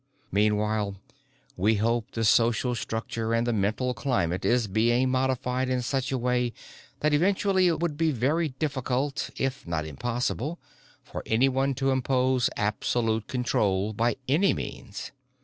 "Meanwhile we hope the social structure and the mental climate is being modified in such a way that eventually it would be very difficult, if not impossible, for anyone to impose absolute control by any means.